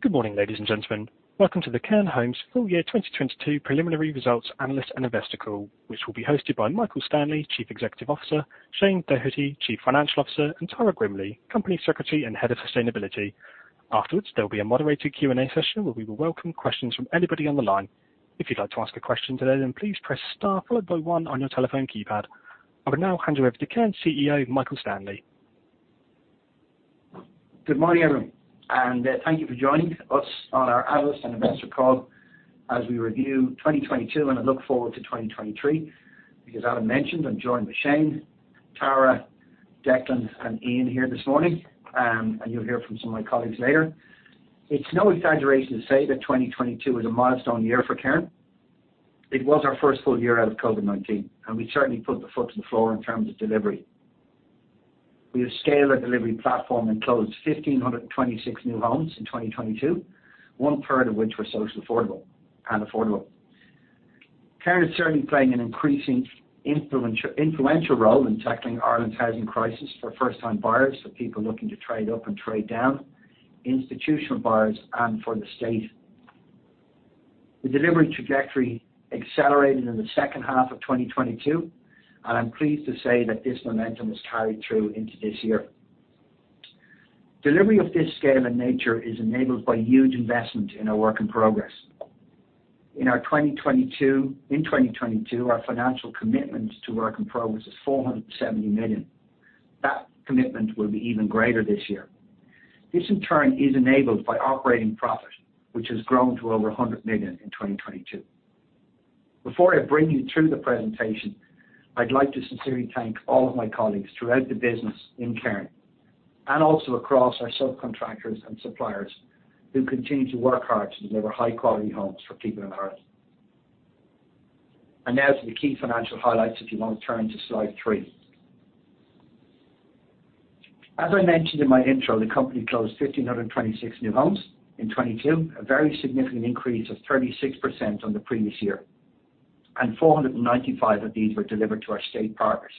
Good morning, ladies and gentlemen. Welcome to the Cairn Homes full year 2022 preliminary results analyst and investor call, which will be hosted by Michael Stanley, Chief Executive Officer, Shane Doherty, Chief Financial Officer, and Tara Grimley, Company Secretary and Head of Sustainability. Afterwards, there'll be a moderated Q&A session where we will welcome questions from anybody on the line. If you'd like to ask a question today, please press star followed by one on your telephone keypad. I will now hand you over to Cairn CEO, Michael Stanley. Good morning, everyone, and thank you for joining us on our analyst and investor call as we review 2022 and look forward to 2023. Adam mentioned, I'm joined by Shane, Tara, Declan, and Ian here this morning. And you'll hear from some of my colleagues later. It's no exaggeration to say that 2022 was a milestone year for Cairn. It was our first full year out of COVID-19, and we certainly put the foot to the floor in terms of delivery. We have scaled our delivery platform and closed 1,526 new homes in 2022, 1/3 of which were social affordable and affordable. Cairn is certainly playing an increasing influential role in tackling Ireland's housing crisis for first-time buyers, for people looking to trade up and trade down, institutional buyers and for the state. The delivery trajectory accelerated in the second half of 2022, and I'm pleased to say that this momentum has carried through into this year. Delivery of this scale and nature is enabled by huge investment in our work in progress. In 2022, our financial commitment to work in progress was 470 million. That commitment will be even greater this year. This, in turn, is enabled by operating profit, which has grown to over 100 million in 2022. Before I bring you through the presentation, I'd like to sincerely thank all of my colleagues throughout the business in Cairn and also across our subcontractors and suppliers who continue to work hard to deliver high-quality homes for people in Ireland. Now to the key financial highlights, if you want to turn to slide three. As I mentioned in my intro, the company closed 1,526 new homes in 2022, a very significant increase of 36% on the previous year, and 495 of these were delivered to our state partners.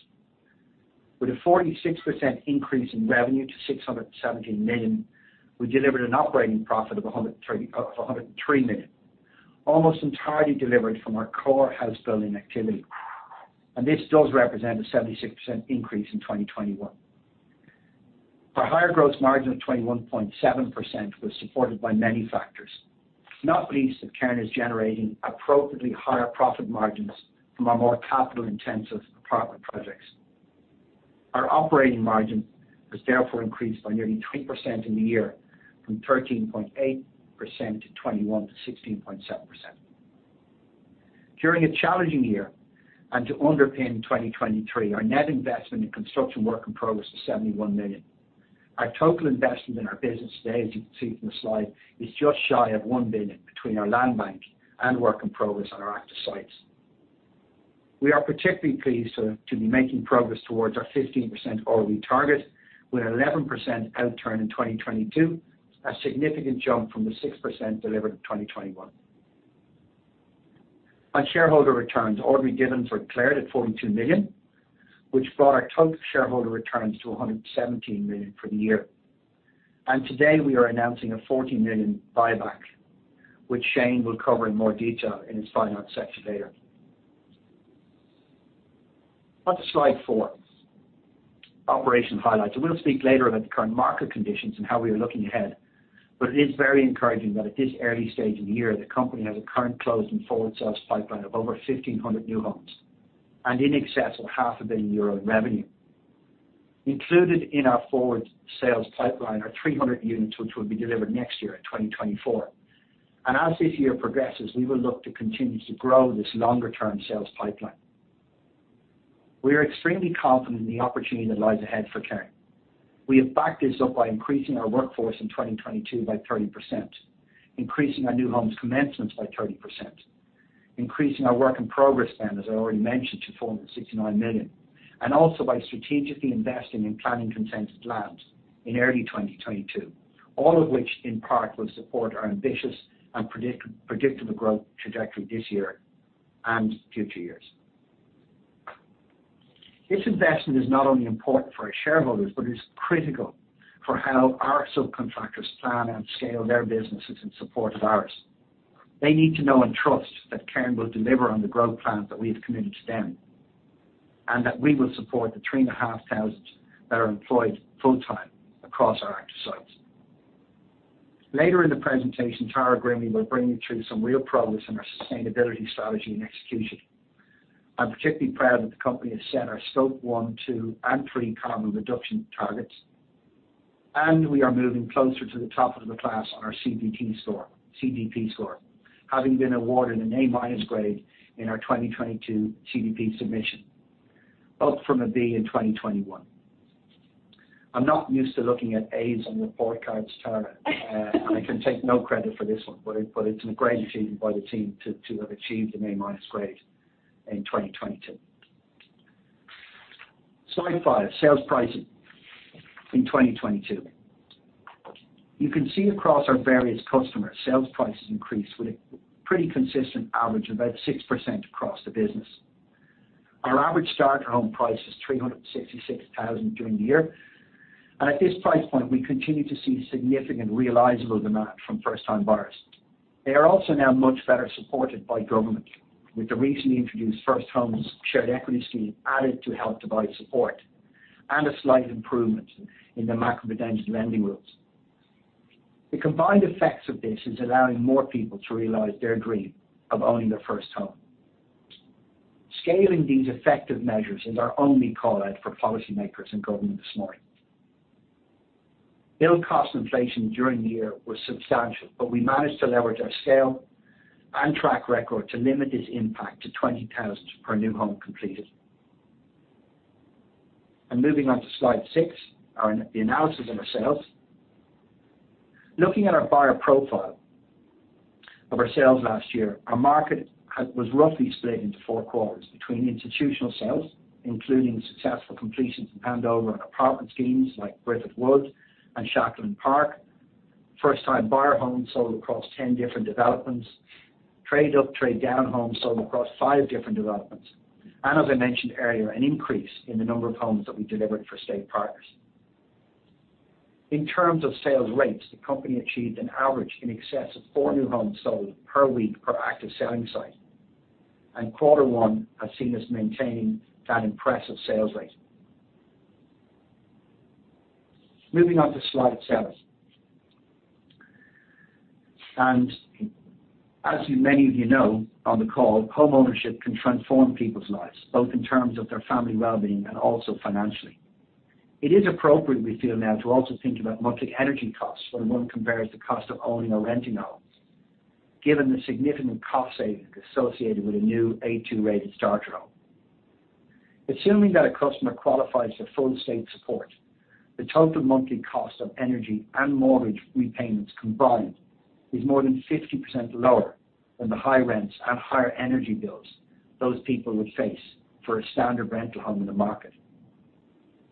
With a 46% increase in revenue to 670 million, we delivered an operating profit of 103 million. Almost entirely delivered from our core house building activity. This does represent a 76% increase in 2021. Our higher gross margin of 21.7% was supported by many factors, not least that Cairn is generating appropriately higher profit margins from our more capital-intensive apartment projects. Our operating margin has therefore increased by nearly 3% in the year from 13.8% to twenty-one to 16.7%. During a challenging year and to underpin 2023, our net investment in construction work in progress is 71 million. Our total investment in our business today, as you can see from the slide, is just shy of 1 billion between our land bank and work in progress on our active sites. We are particularly pleased to be making progress towards our 15% ROE target with 11% outturn in 2022, a significant jump from the 6% delivered in 2021. On shareholder returns, ordinary dividends were declared at 42 million, which brought our total shareholder returns to 117 million for the year. Today we are announcing a 40 million buyback, which Shane will cover in more detail in his finance section later. On to slide four, operational highlights. We'll speak later about the current market conditions and how we are looking ahead, but it is very encouraging that at this early stage in the year, the company has a current closed and forward sales pipeline of over 1,500 new homes and in excess of half a billion euro in revenue. Included in our forward sales pipeline are 300 units, which will be delivered next year in 2024. As this year progresses, we will look to continue to grow this longer-term sales pipeline. We are extremely confident in the opportunity that lies ahead for Cairn. We have backed this up by increasing our workforce in 2022 by 30%, increasing our new homes commencements by 30%, increasing our work in progress spend, as I already mentioned, to 469 million, and also by strategically investing in planning consented lands in early 2022. All of which in part will support our ambitious and predictable growth trajectory this year and future years. This investment is not only important for our shareholders, but is critical for how our subcontractors plan and scale their businesses in support of ours. They need to know and trust that Cairn will deliver on the growth plans that we have committed to them, and that we will support the 3,500 that are employed full-time across our active sites. Later in the presentation, Tara Grimley will bring you through some real progress in our sustainability strategy and execution. I'm particularly proud that the company has set our Scope one, two, and three carbon reduction targets, and we are moving closer to the top of the class on our CDP score, having been awarded an A-minus grade in our 2022 CDP submission, up from a B in 2021. I'm not used to looking at A's on report cards, Tara. I can take no credit for this one, but it's a great achievement by the team to have achieved an A-minus grade in 2022. Slide 5. Sales pricing in 2022. You can see across our various customers, sales prices increased with a pretty consistent average of about 6% across the business. Our average starter home price is 366,000 during the year. At this price point, we continue to see significant realizable demand from first-time buyers. They are also now much better supported by government, with the recently introduced First Home Scheme added to help to buy support and a slight improvement in the macro-residential lending rules. The combined effects of this is allowing more people to realize their dream of owning their first home. Scaling these effective measures is our only call out for policymakers and government this morning. Build cost inflation during the year was substantial, We managed to leverage our scale and track record to limit its impact to 20,000 per new home completed. Moving on to slide 6, the analysis of our sales. Looking at our buyer profile of our sales last year, our market was roughly split into four quarters between institutional sales, including successful completions and handover of apartment schemes like Griffith Wood and Shackleton Park. First time buyer homes sold across 10 different developments. Trade up, trade down homes sold across five different developments. As I mentioned earlier, an increase in the number of homes that we delivered for state partners. In terms of sales rates, the company achieved an average in excess of four new homes sold per week per active selling site, and quarter one has seen us maintaining that impressive sales rate. Moving on to slide seven. As many of you know on the call, homeownership can transform people's lives, both in terms of their family well-being and also financially. It is appropriate, we feel now, to also think about monthly energy costs when one compares the cost of owning or renting a home, given the significant cost savings associated with a new A2-rated starter home. Assuming that a customer qualifies for full state support, the total monthly cost of energy and mortgage repayments combined is more than 50% lower than the high rents and higher energy bills those people would face for a standard rental home in the market.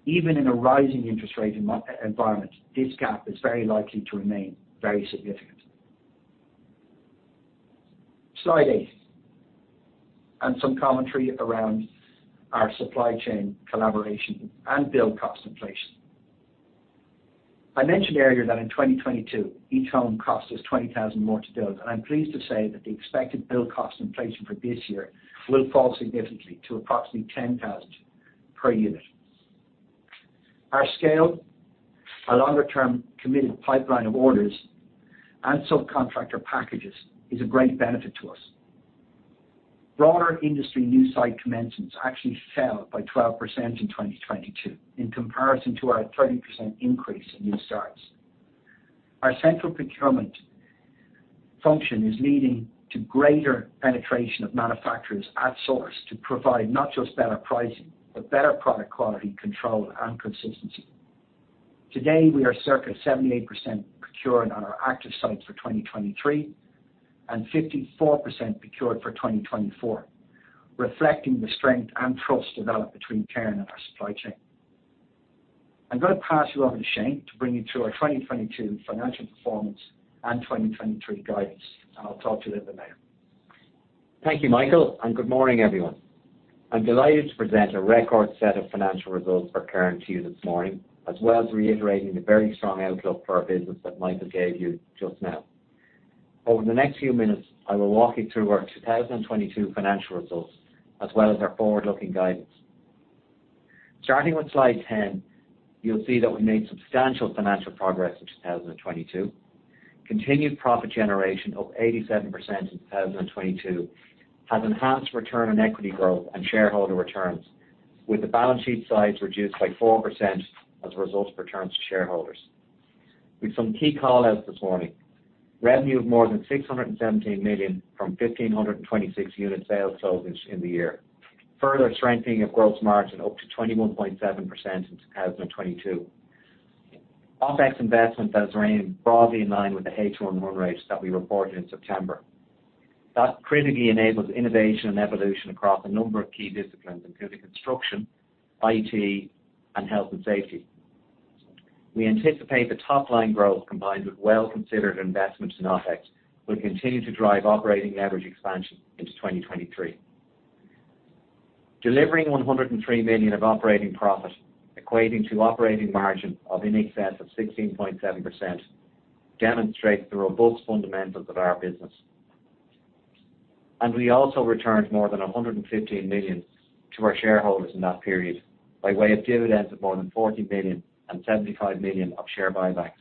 Even in a rising interest rate environment, this gap is very likely to remain very significant. Slide eight. Some commentary around our supply chain collaboration and build cost inflation. I mentioned earlier that in 2022, each home cost us 20,000 more to build, and I'm pleased to say that the expected build cost inflation for this year will fall significantly to approximately 10,000 per unit. Our scale, our longer-term committed pipeline of orders, and subcontractor packages is a great benefit to us. Broader industry new site commencements actually fell by 12% in 2022 in comparison to our 30% increase in new starts. Our central procurement function is leading to greater penetration of manufacturers at source to provide not just better pricing, but better product quality, control, and consistency. Today, we are circa 78% procured on our active sites for 2023, and 54% procured for 2024, reflecting the strength and trust developed between Cairn and our supply chain. I'm gonna pass you over to Shane to bring you through our 2022 financial performance and 2023 guidance. I'll talk to you in a minute. Thank you, Michael. Good morning, everyone. I'm delighted to present a record set of financial results for Cairn to you this morning, as well as reiterating the very strong outlook for our business that Michael gave you just now. Over the next few minutes, I will walk you through our 2022 financial results, as well as our forward-looking guidance. Starting with slide 10, you'll see that we made substantial financial progress in 2022. Continued profit generation up 87% in 2022 has enhanced return on equity growth and shareholder returns, with the balance sheet size reduced by 4% as a result of returns to shareholders. With some key call-outs this morning, revenue of more than 617 million from 1,526 unit sales closed in the year, further strengthening of gross margin up to 21.7% in 2022. OpEx investment has remained broadly in line with the H1 run rate that we reported in September. That critically enables innovation and evolution across a number of key disciplines, including construction, IT, and health and safety. We anticipate the top-line growth combined with well-considered investments in OpEx will continue to drive operating leverage expansion into 2023. Delivering 103 million of operating profit, equating to operating margin of in excess of 16.7%, demonstrates the robust fundamentals of our business. We also returned more than 115 million to our shareholders in that period by way of dividends of more than 40 million and 75 million of share buybacks.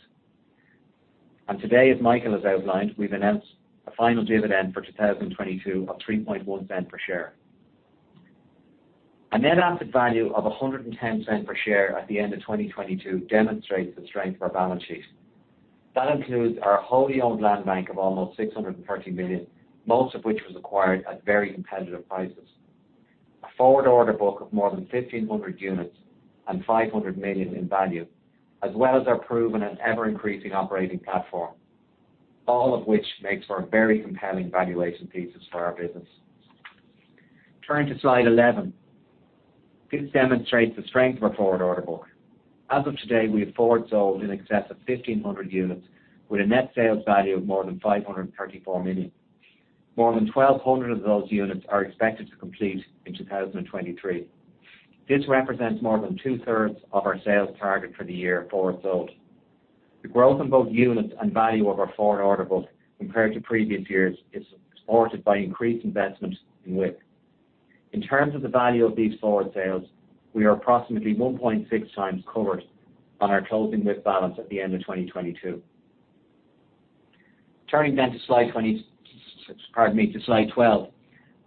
Today, as Michael has outlined, we've announced a final dividend for 2022 of 0.031 per share. A net asset value of 1.10 per share at the end of 2022 demonstrates the strength of our balance sheet. That includes our wholly owned land bank of almost 630 million, most of which was acquired at very competitive prices. A forward order book of more than 1,500 units and 500 million in value, as well as our proven and ever-increasing operating platform, all of which makes for a very compelling valuation thesis for our business. Turning to slide 11. This demonstrates the strength of our forward order book. As of today, we have forward sold in excess of 1,500 units with a net sales value of more than 534 million. More than 1,200 of those units are expected to complete in 2023. This represents more than two-thirds of our sales target for the year forward sold. The growth in both units and value of our forward order book compared to previous years is supported by increased investment in WIP. In terms of the value of these forward sales, we are approximately 1.6x covered on our closing WIP balance at the end of 2022. Turning to slide pardon me, to slide 12.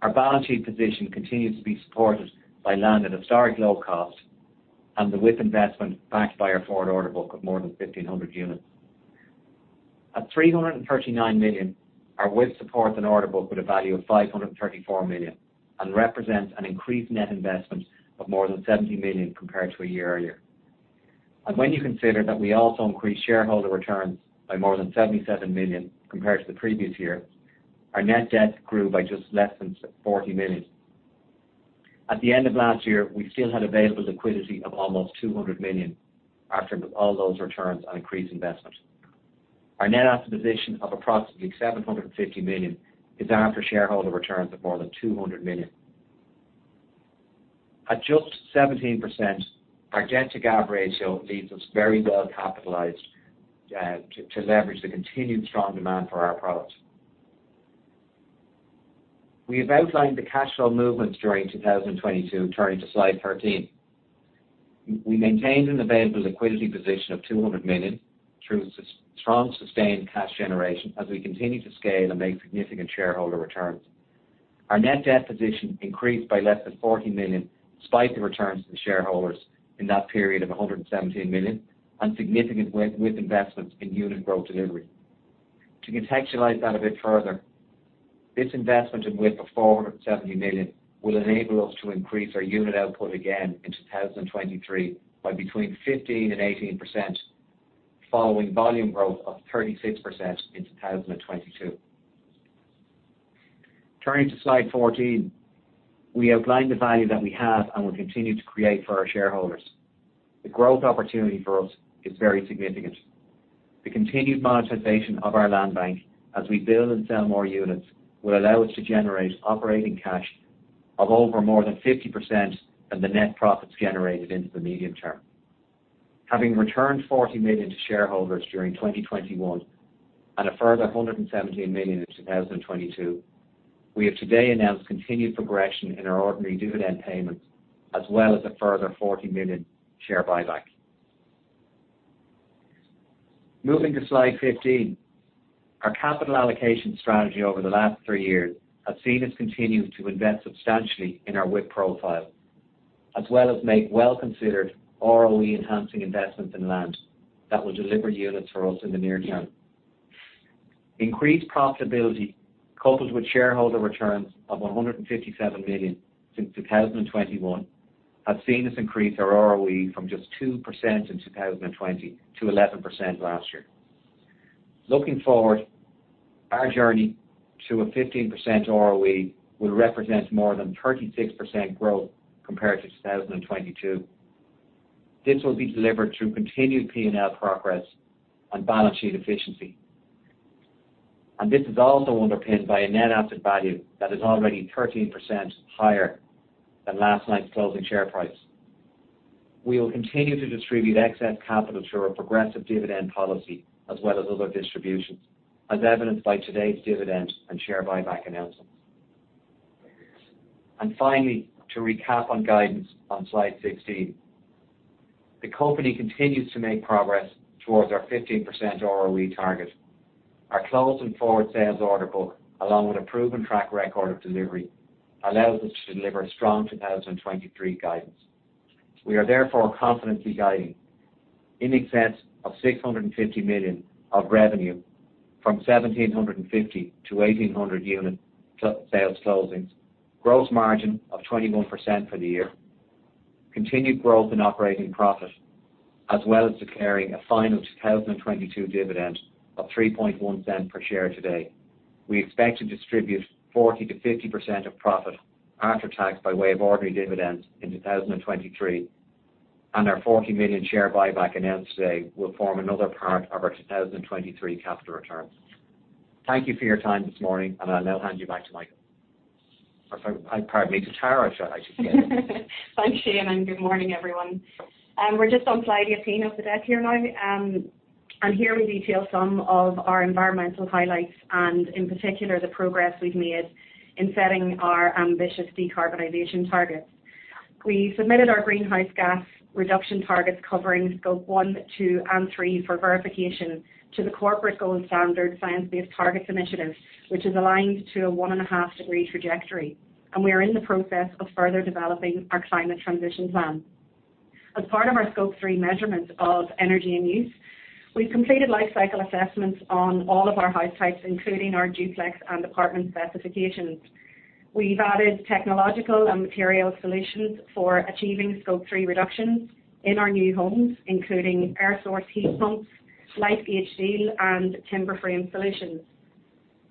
Our balance sheet position continues to be supported by land at historic low cost and the WIP investment backed by our forward order book of more than 1,500 units. At 339 million, our WIP supports an order book with a value of 534 million, and represents an increased net investment of more than 70 million compared to a year earlier. When you consider that we also increased shareholder returns by more than 77 million compared to the previous year, our net debt grew by just less than 40 million. At the end of last year, we still had available liquidity of almost 200 million after all those returns on increased investment. Our net asset position of approximately 750 million is after shareholder returns of more than 200 million. At just 17%, our debt-to-GAV ratio leaves us very well capitalized to leverage the continued strong demand for our products. We have outlined the cash flow movements during 2022, turning to slide 13. We maintained an available liquidity position of 200 million through strong sustained cash generation as we continue to scale and make significant shareholder returns. Our net debt position increased by less than 40 million despite the returns to shareholders in that period of 117 million and significant WIP investments in unit growth delivery. To contextualize that a bit further, this investment in WIP of 470 million will enable us to increase our unit output again in 2023 by between 15% and 18% following volume growth of 36% in 2022. Turning to slide 14. We outlined the value that we have and will continue to create for our shareholders. The growth opportunity for us is very significant. The continued monetization of our land bank as we build and sell more units will allow us to generate operating cash of over more than 50% than the net profits generated into the medium term. Having returned 40 million to shareholders during 2021 and a further 117 million in 2022, we have today announced continued progression in our ordinary dividend payments as well as a further 40 million share buyback. Moving to slide 15. Our capital allocation strategy over the last 3 years have seen us continue to invest substantially in our WIP profile, as well as make well-considered ROE-enhancing investments in land that will deliver units for us in the near term. Increased profitability coupled with shareholder returns of 157 million since 2021 have seen us increase our ROE from just 2% in 2020 to 11% last year. Looking forward, our journey to a 15% ROE will represent more than 36% growth compared to 2022. This will be delivered through continued P&L progress and balance sheet efficiency. This is also underpinned by a net asset value that is already 13% higher than last night's closing share price. We will continue to distribute excess capital through our progressive dividend policy as well as other distributions, as evidenced by today's dividend and share buyback announcement. Finally, to recap on guidance on slide 16. The company continues to make progress towards our 15% ROE target. Our close and forward sales order book, along with a proven track record of delivery, allows us to deliver strong 2023 guidance. We are therefore confidently guiding in excess of 650 million of revenue from 1,750-1,800 unit sales closings, gross margin of 21% for the year, continued growth in operating profit, as well as declaring a final 2022 dividend of 0.031 per share today. We expect to distribute 40%-50% of profit after tax by way of ordinary dividends in 2023. Our 40 million share buyback announced today will form another part of our 2023 capital return. Thank you for your time this morning. I'll now hand you back to Michael. Or sorry. Pardon me, to Tara, should I actually say. Thanks, Shane, good morning, everyone. We're just on slide 18 of the deck here now. Here we detail some of our environmental highlights and in particular, the progress we've made in setting our ambitious decarbonization targets. We submitted our greenhouse gas reduction targets covering Scope one, two, and three for verification to the Science Based Targets initiative, which is aligned to a 1.5 degree trajectory, and we are in the process of further developing our climate transition plan. As part of our Scope three measurements of energy and use, we've completed life cycle assessments on all of our house types, including our duplex and apartment specifications. We've added technological and material solutions for achieving Scope three reductions in our new homes, including air source heat pumps, light PHD, and timber frame solutions.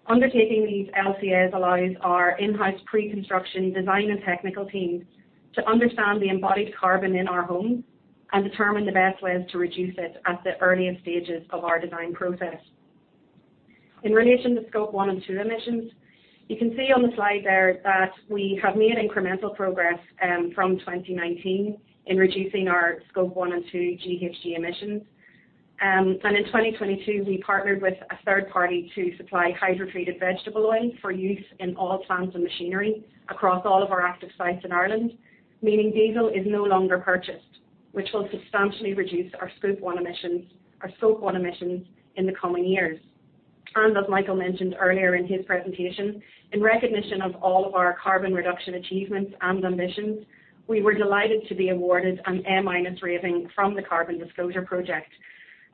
Undertaking these LCAs allows our in-house pre-construction design and technical teams to understand the embodied carbon in our home and determine the best ways to reduce it at the earliest stages of our design process. In relation to Scope one and two emissions, you can see on the slide there that we have made incremental progress from 2019 in reducing our Scope one and two GHG emissions. In 2022, we partnered with a third party to supply hydrotreated vegetable oil for use in all plants and machinery across all of our active sites in Ireland, meaning diesel is no longer purchased, which will substantially reduce our Scope one emissions in the coming years. As Michael mentioned earlier in his presentation, in recognition of all of our carbon reduction achievements and ambitions, we were delighted to be awarded an A-minus rating from the Carbon Disclosure Project,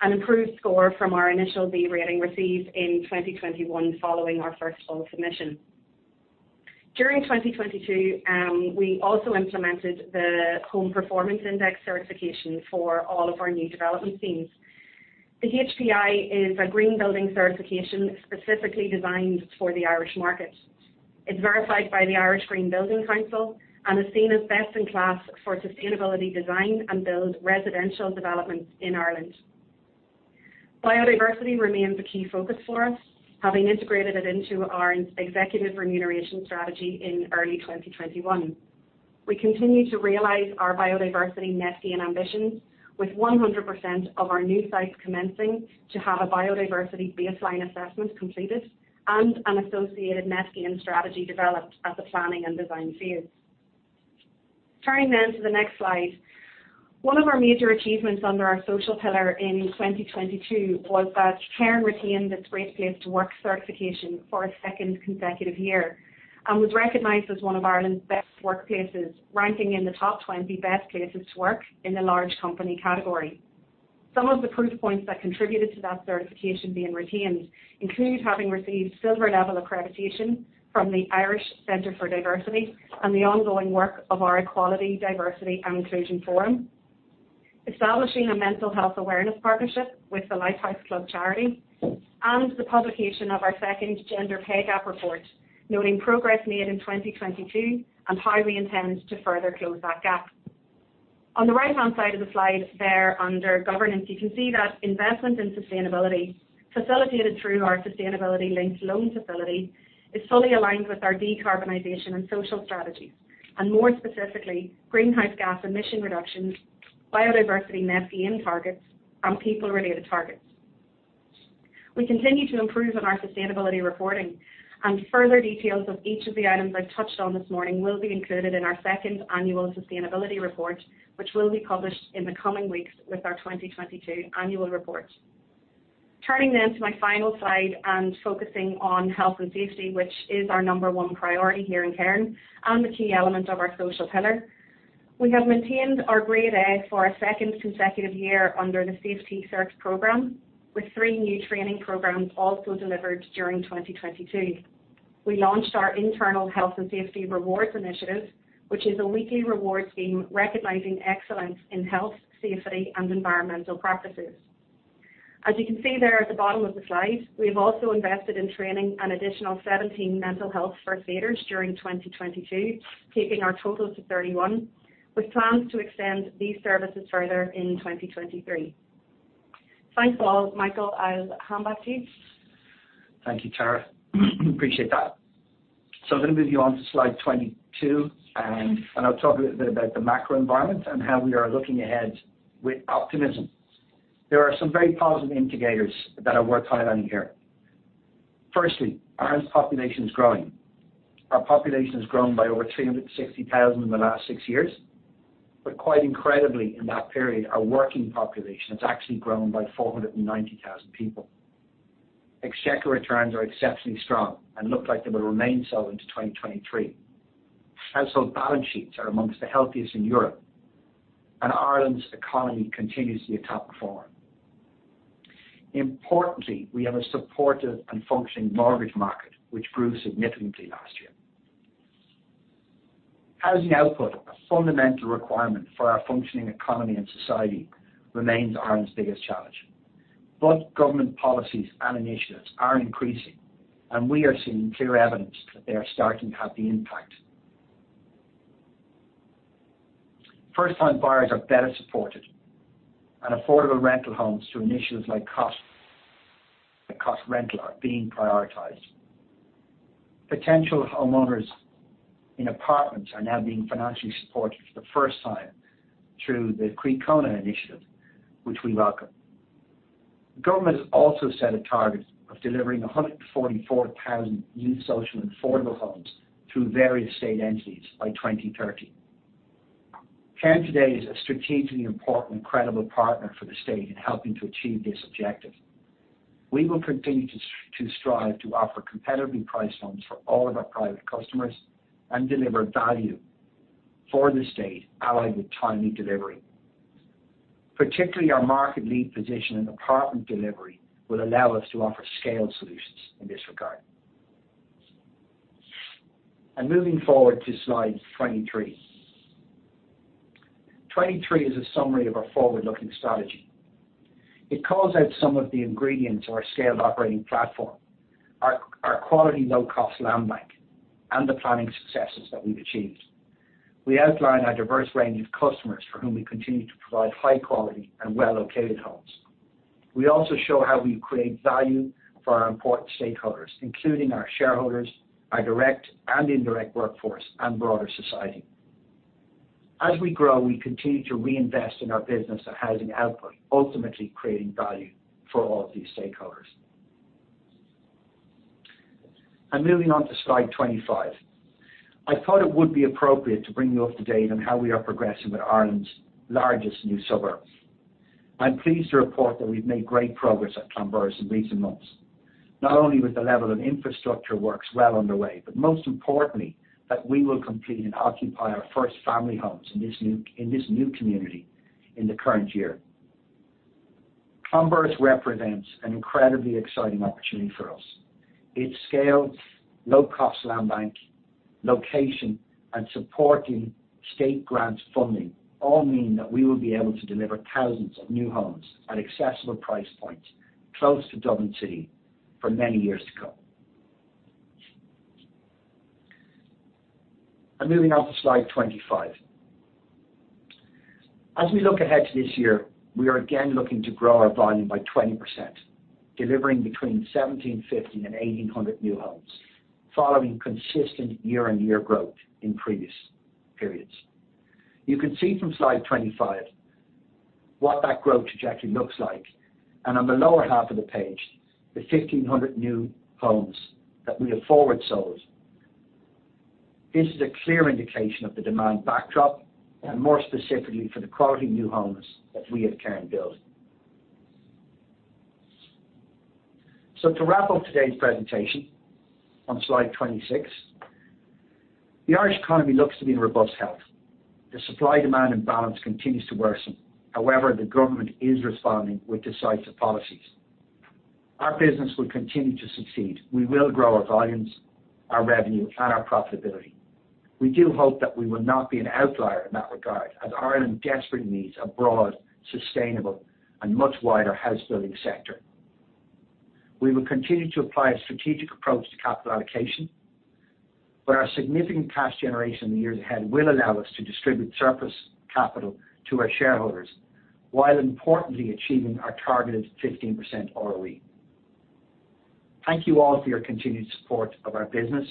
an improved score from our initial B rating received in 2021 following our first full submission. During 2022, we also implemented the Home Performance Index certification for all of our new development schemes. The HPI is a green building certification specifically designed for the Irish market. It's verified by the Irish Green Building Council and is seen as best in class for sustainability design and build residential developments in Ireland. Biodiversity remains a key focus for us, having integrated it into our executive remuneration strategy in early 2021. We continue to realize our Biodiversity Net Gain ambitions, with 100% of our new sites commencing to have a biodiversity baseline assessment completed and an associated Net Gain strategy developed at the planning and design phase. Turning to the next slide. One of our major achievements under our social pillar in 2022 was that Cairn retained its Great Place to Work certification for a 2nd consecutive year and was recognized as one of Ireland's best workplaces, ranking in the top 20 best places to work in the large company category. Some of the proof points that contributed to that certification being retained include having received silver-level accreditation from the Irish Centre for Diversity and the ongoing work of our Equality, Diversity and Inclusion Forum. Establishing a mental health awareness partnership with the Lighthouse Club charity, the publication of our second gender pay gap report, noting progress made in 2022 and how we intend to further close that gap. On the right-hand side of the slide there under governance, you can see that investment in sustainability facilitated through our sustainability-linked loan facility is fully aligned with our decarbonization and social strategies, more specifically, greenhouse gas emission reductions, Biodiversity Net Gain targets, and people-related targets. We continue to improve on our sustainability reporting, further details of each of the items I've touched on this morning will be included in our second annual sustainability report, which will be published in the coming weeks with our 2022 annual report. Turning to my final slide and focusing on health and safety, which is our number one priority here in Cairn and a key element of our social pillar. We have maintained our Grade A for a second consecutive year under the Safe-T-Cert program, with three new training programs also delivered during 2022. We launched our internal health and safety rewards initiative, which is a weekly reward scheme recognizing excellence in health, safety, and environmental practices. As you can see there at the bottom of the slide, we have also invested in training an additional 17 mental health first aiders during 2022, taking our total to 31, with plans to extend these services further in 2023. Thanks all. Michael, I'll hand back to you. Thank you, Tara. Appreciate that. I'm gonna move you on to slide 22, and I'll talk a little bit about the macro environment and how we are looking ahead with optimism. There are some very positive indicators that are worth highlighting here. Firstly, Ireland's population is growing. Our population has grown by over 360,000 in the last six years. Quite incredibly, in that period, our working population has actually grown by 490,000 people. Exchequer returns are exceptionally strong and look like they will remain so into 2023. Household balance sheets are amongst the healthiest in Europe, and Ireland's economy continues to be a top performer. Importantly, we have a supportive and functioning mortgage market, which grew significantly last year. Housing output, a fundamental requirement for our functioning economy and society, remains Ireland's biggest challenge. Both government policies and initiatives are increasing. We are seeing clear evidence that they are starting to have the impact. First-time buyers are better supported. Affordable rental homes through initiatives like Cost Rental are being prioritized. Potential homeowners in apartments are now being financially supported for the first time through the Croí Cónaithe initiative, which we welcome. The government has also set a target of delivering 144,000 new social and affordable homes through various state entities by 2030. Cairn today is a strategically important credible partner for the state in helping to achieve this objective. We will continue to strive to offer competitively priced homes for all of our private customers and deliver value for the state allied with timely delivery. Particularly our market lead position in apartment delivery will allow us to offer scaled solutions in this regard. Moving forward to slide 23. 23 is a summary of our forward-looking strategy. It calls out some of the ingredients of our scaled operating platform, our quality low-cost land bank, and the planning successes that we've achieved. We outline our diverse range of customers for whom we continue to provide high quality and well-located homes. We also show how we create value for our important stakeholders, including our shareholders, our direct and indirect workforce, and broader society. As we grow, we continue to reinvest in our business and housing output, ultimately creating value for all of these stakeholders. Moving on to slide 25. I thought it would be appropriate to bring you up to date on how we are progressing with Ireland's largest new suburb. I'm pleased to report that we've made great progress at Clonburris in recent months, not only with the level of infrastructure works well underway, but most importantly, that we will complete and occupy our first family homes in this new community in the current year. Clonburris represents an incredibly exciting opportunity for us. Its scale, low cost land bank, location, and supporting state grants funding all mean that we will be able to deliver thousands of new homes at accessible price points close to Dublin City for many years to come. Moving on to slide 25. As we look ahead to this year, we are again looking to grow our volume by 20%, delivering between 1,750 and 1,800 new homes following consistent year-on-year growth in previous periods. You can see from slide 25 what that growth trajectory looks like, and on the lower half of the page, the 1,500 new homes that we have forward sold. This is a clear indication of the demand backdrop and more specifically for the quality new homes that we at Cairn build. To wrap up today's presentation on slide 26, the Irish economy looks to be in robust health. The supply-demand imbalance continues to worsen. The government is responding with decisive policies. Our business will continue to succeed. We will grow our volumes, our revenue, and our profitability. We do hope that we will not be an outlier in that regard, as Ireland desperately needs a broad, sustainable, and much wider house building sector. We will continue to apply a strategic approach to capital allocation, where our significant cash generation in the years ahead will allow us to distribute surplus capital to our shareholders while importantly achieving our targeted 15% ROE. Thank you all for your continued support of our business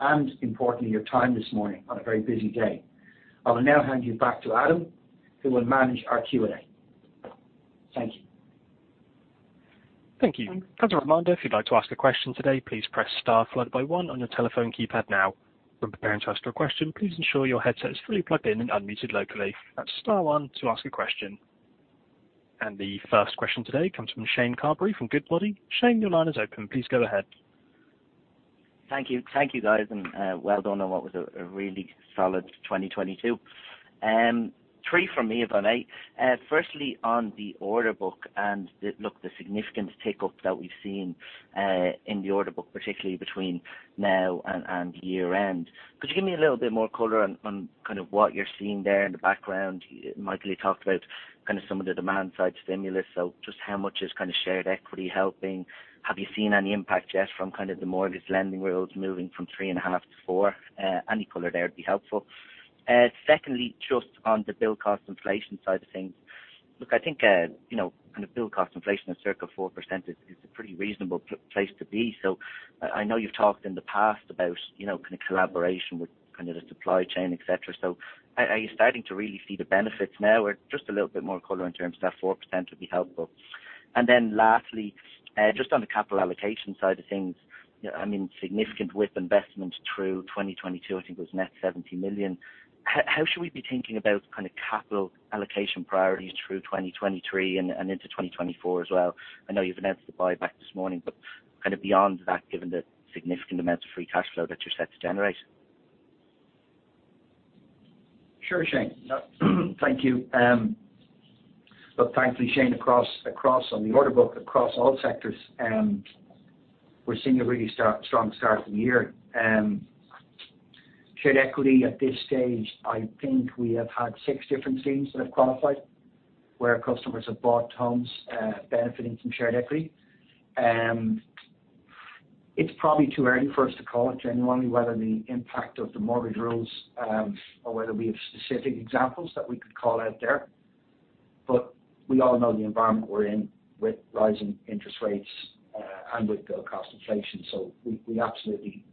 and importantly, your time this morning on a very busy day. I will now hand you back to Adam, who will manage our Q&A. Thank you. Thank you. As a reminder, if you'd like to ask a question today, please press star followed by one on your telephone keypad now. When preparing to ask your question, please ensure your headset is fully plugged in and unmuted locally. That's star one to ask a question. The first question today comes from Shane Carberry from Goodbody. Shane, your line is open. Please go ahead. Thank you. Thank you, guys, and well done on what was a really solid 2022. 3 from me if I may. Firstly, on the order book the significant tick-up that we've seen in the order book, particularly between now and year-end. Could you give me a little bit more color on kind of what you're seeing there in the background? Michael, you talked about kind of some of the demand side stimulus, so just how much is kind of shared equity helping? Have you seen any impact yet from kind of the mortgage lending rules moving from 3.5 to 4? Any color there would be helpful. Secondly, just on the build cost inflation side of things. I think, you know, kind of build cost inflation of circa 4% is a pretty reasonable place to be. I know you've talked in the past about, you know, kind of collaboration with kind of the supply chain, et cetera. Are you starting to really see the benefits now? Just a little bit more color in terms of that 4% would be helpful. Lastly, just on the capital allocation side of things, you know, I mean, significant WIP investment through 2022, I think, was net 70 million. How should we be thinking about kind of capital allocation priorities through 2023 and into 2024 as well? I know you've announced the buyback this morning, kind of beyond that, given the significant amounts of free cash flow that you're set to generate. Sure, Shane. Thank you. Look, thankfully, Shane, across on the order book, across all sectors, we're seeing a really star-strong start to the year. Shared equity at this stage, I think we have had 6 different schemes that have qualified, where customers have bought homes, benefiting from shared equity. It's probably too early for us to call it genuinely, whether the impact of the mortgage rules, or whether we have specific examples that we could call out there. We all know the environment we're in with rising interest rates, and with build cost inflation. We absolutely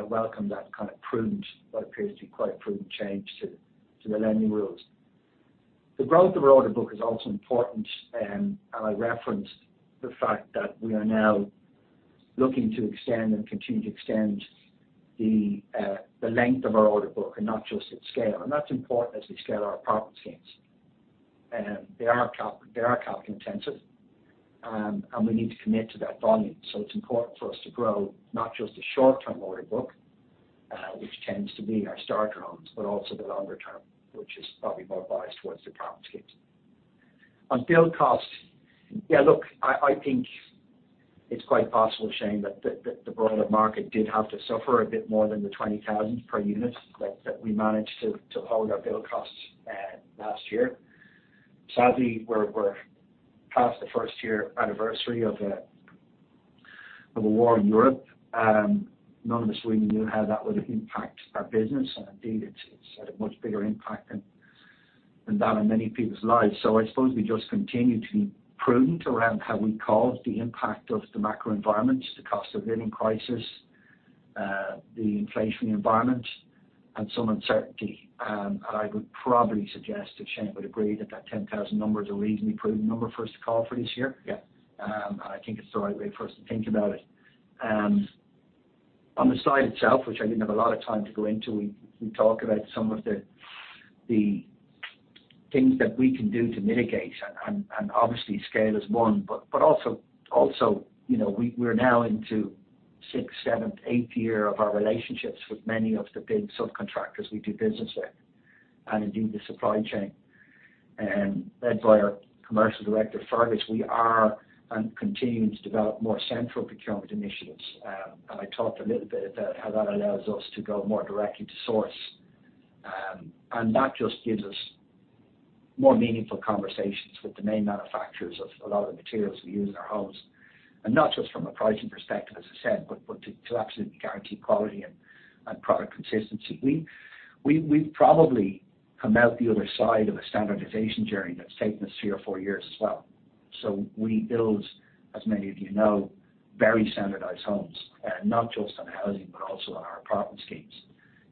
welcome that kind of prudent, what appears to be quite a prudent change to the lending rules. The growth of our order book is also important, and I referenced the fact that we are now looking to extend and continue to extend the length of our order book and not just its scale. That's important as we scale our apartment schemes. They are capital intensive, and we need to commit to that volume. It's important for us to grow not just the short-term order book, which tends to be our starter homes, but also the longer term, which is probably more biased towards the apartment schemes. On build costs. Yeah, look, I think it's quite possible, Shane, that the broader market did have to suffer a bit more than the 20,000 per unit that we managed to hold our build costs last year. Sadly, we're past the first year anniversary of a war in Europe. None of us really knew how that would have impacted our business. Indeed, it's had a much bigger impact than that on many people's lives. I suppose we just continue to be prudent around how we call the impact of the macro environments, the cost of living crisis, the inflationary environment, and some uncertainty. I would probably suggest if Shane would agree that 10,000 number is a reasonably prudent number for us to call for this year. Yeah. I think it's the right way for us to think about it. On the side itself, which I didn't have a lot of time to go into, we talk about some of the things that we can do to mitigate and obviously scale is one. Also, you know, we're now into sixth, seventh, eighth year of our relationships with many of the big subcontractors we do business with and indeed the supply chain. Led by our commercial director, Fergus, we are and continuing to develop more central procurement initiatives. I talked a little bit about how that allows us to go more directly to source. That just gives us more meaningful conversations with the main manufacturers of a lot of the materials we use in our homes. Not just from a pricing perspective, as I said, but to absolutely guarantee quality and product consistency. We've probably come out the other side of a standardization journey that's taken us three or four years as well. We build, as many of you know, very standardized homes, not just on housing but also on our apartment schemes.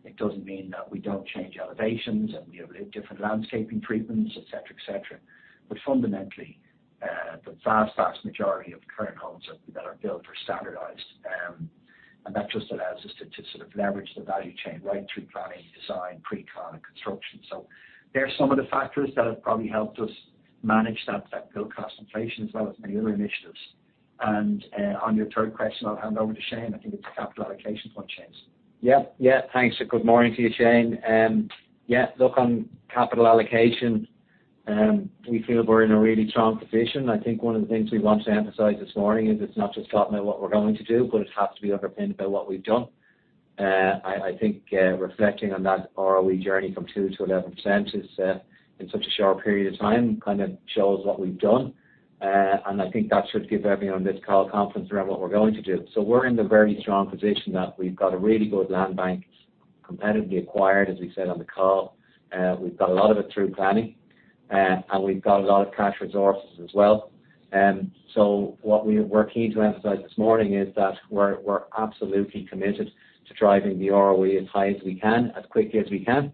It doesn't mean that we don't change elevations, and we have, like, different landscaping treatments, et cetera, et cetera. Fundamentally, the vast majority of Cairn Homes that are built are standardized. That just allows us to sort of leverage the value chain right through planning, design, pre-con, and construction. There are some of the factors that have probably helped us manage that build cost inflation as well as many other initiatives. On your third question, I'll hand over to Shane. I think it's the capital allocation one, Shane. Yeah. Thanks, and good morning to you, Shane. Yeah, look, on capital allocation, we feel we're in a really strong position. I think one of the things we want to emphasize this morning is it's not just talking about what we're going to do, but it has to be underpinned by what we've done. I think, reflecting on that ROE journey from 2% to 11% is in such a short period of time, kind of shows what we've done. I think that should give everyone on this call confidence around what we're going to do. We're in the very strong position that we've got a really good land bank, competitively acquired, as we said on the call. We've got a lot of it through planning, and we've got a lot of cash resources as well. We're keen to emphasize this morning is that we're absolutely committed to driving the ROE as high as we can, as quickly as we can.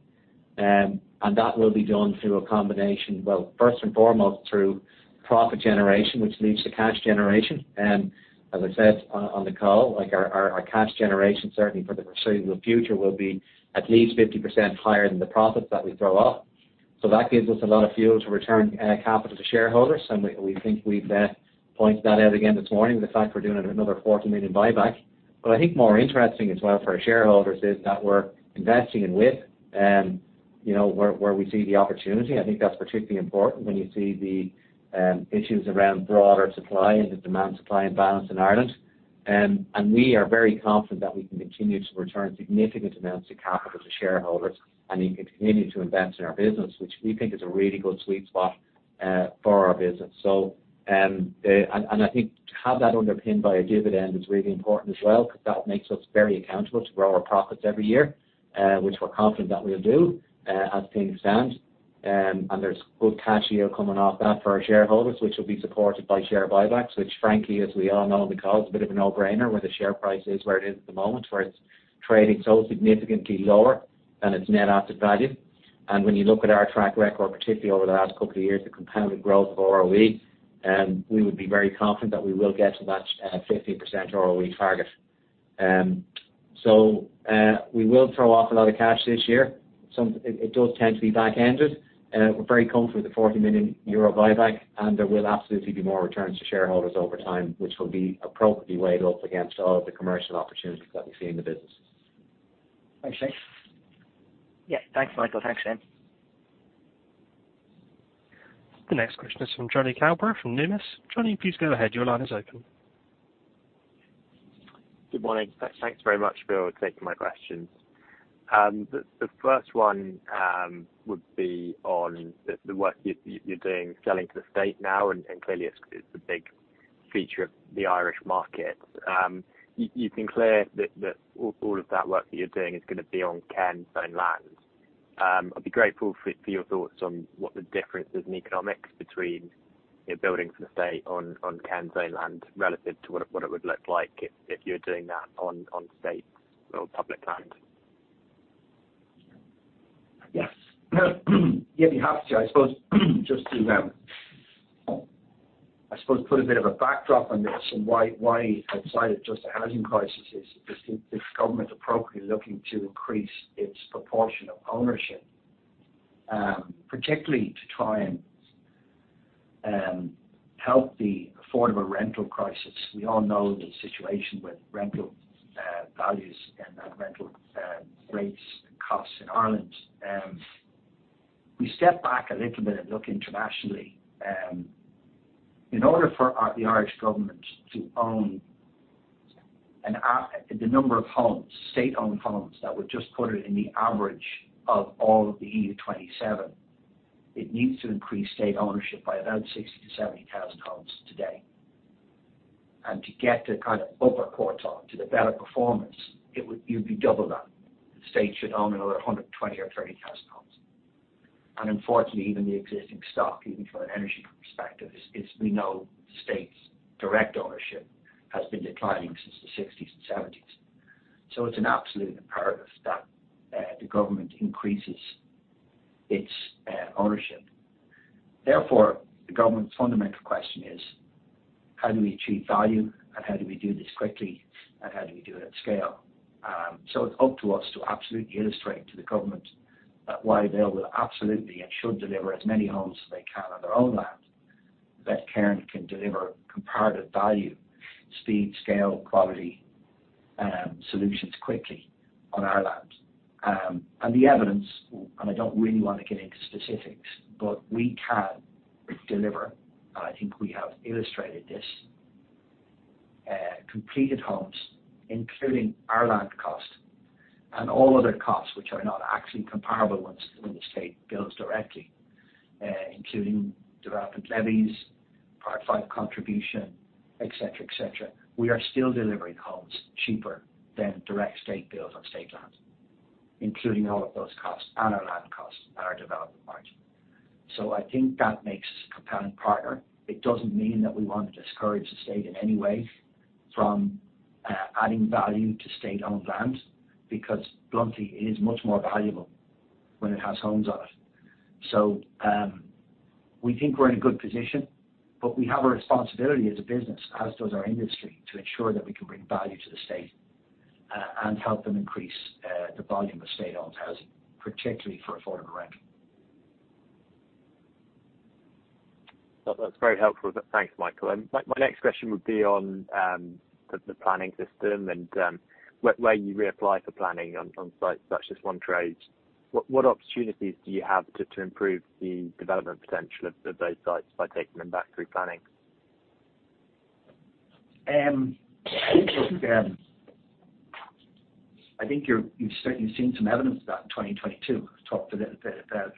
That will be done through a combination. Well, first and foremost through profit generation, which leads to cash generation. As I said on the call, like our cash generation, certainly for the foreseeable future, will be at least 50% higher than the profits that we throw off. That gives us a lot of fuel to return capital to shareholders. We think we've pointed that out again this morning, the fact we're doing another 40 million buyback. I think more interesting as well for our shareholders is that we're investing in width, you know, where we see the opportunity. I think that's particularly important when you see the issues around broader supply and the demand supply and balance in Ireland. We are very confident that we can continue to return significant amounts of capital to shareholders, and we can continue to invest in our business, which we think is a really good sweet spot for our business. I think to have that underpinned by a dividend is really important as well, 'cause that makes us very accountable to grow our profits every year, which we're confident that we'll do as things stand. There's good cash here coming off that for our shareholders, which will be supported by share buybacks, which frankly, as we all know on the call, it's a bit of a no-brainer where the share price is, where it is at the moment, where it's trading so significantly lower than its net asset value. When you look at our track record, particularly over the last couple of years, the compounded growth of ROE, we would be very confident that we will get to that 50% ROE target. We will throw off a lot of cash this year. It does tend to be back-ended. We're very comfortable with the 40 million euro buyback, and there will absolutely be more returns to shareholders over time, which will be appropriately weighed up against all of the commercial opportunities that we see in the business. Thanks, Shane. Yeah. Thanks, Michael. Thanks, Shane. The next question is from Jonny Coubrough from Numis. Jonny, please go ahead. Your line is open. Good morning. Thanks very much for taking my questions. The first one would be on the work you're doing selling to the state now. Clearly it's a big feature of the Irish market. You've been clear that all of that work that you're doing is gonna be on Ken's own land. I'd be grateful for your thoughts on what the difference is in economics between, you know, building for the state on Ken's own land relative to what it would look like if you're doing that on state or public land. Yes. Yeah, perhaps, yeah, I suppose, just to, I suppose put a bit of a backdrop on this and why outside of just the housing crisis is the, this government appropriately looking to increase its proportion of ownership, particularly to try and help the affordable rental crisis. We all know the situation with rental values and rental-rates and costs in Ireland. We step back a little bit and look internationally. In order for the Irish government to own the number of homes, state-owned homes that would just put it in the average of all of the EU 27, it needs to increase state ownership by about 60,000-70,000 homes today. To get the kind of upper quartile to the better performance, you'd be double that. The state should own another 120,000 or 130,000 homes. Unfortunately, even the existing stock, even from an energy perspective is we know the state's direct ownership has been declining since the 1960s and 1970s. It's an absolute imperative that the government increases its ownership. Therefore, the government's fundamental question is, how do we achieve value? How do we do this quickly? How do we do it at scale? It's up to us to absolutely illustrate to the government that while they will absolutely and should deliver as many homes as they can on their own land, that Cairn can deliver comparative value, speed, scale, quality, solutions quickly on our land. The evidence, and I don't really want to get into specifics, but we can deliver, and I think we have illustrated this. Completed homes, including our land cost and all other costs which are not actually comparable ones when the state builds directly, including development levies, Part V contribution, et cetera, et cetera. We are still delivering homes cheaper than direct state builds on state land, including all of those costs and our land costs and our development margin. I think that makes us a compelling partner. It doesn't mean that we want to discourage the state in any way from adding value to state-owned land, because bluntly, it is much more valuable when it has homes on it. We think we're in a good position, but we have a responsibility as a business, as does our industry, to ensure that we can bring value to the state and help them increase the volume of state-owned housing, particularly for affordable rent. That's very helpful. Thanks, Michael. My next question would be on the planning system and where you reapply for planning on sites such as Montrose. What opportunities do you have to improve the development potential of those sites by taking them back through planning? I think you've certainly seen some evidence of that in 2022. We talked a little bit about